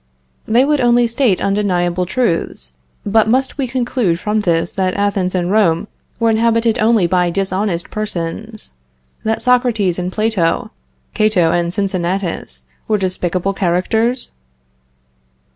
They would state only undeniable truths. But must we conclude from this that Athens and Rome were inhabited only by dishonest persons? that Socrates and Plato, Cato and Cincinnatus were despicable characters?